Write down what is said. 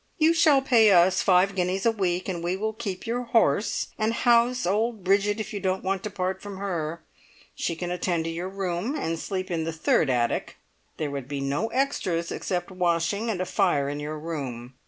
You shall pay us five guineas a week, and we will keep your horse, and house old Bridget if you don't want to part from her. She can attend to your room, and sleep in the third attic. There would be no extras except washing, and a fire in your room.